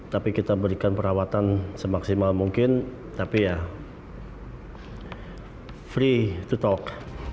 tapi kita berikan perawatan semaksimal mungkin tapi ya free to talk